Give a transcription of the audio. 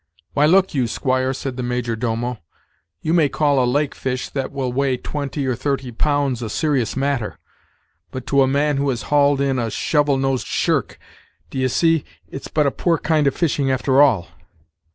"Why, look you, squire, said the major domo. You may call a lake fish that will weigh twenty or thirty pounds a serious matter, but to a man who has hauled in a shovel nosed shirk, d'ye see, it's but a poor kind of fishing after all."